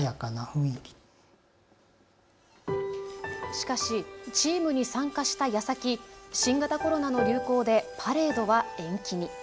しかしチームに参加したやさき、新型コロナの流行でパレードは延期に。